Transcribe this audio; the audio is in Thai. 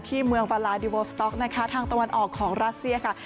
เมืองฟาลาดิโบสต๊อกนะคะทางตะวันออกของรัสเซียค่ะ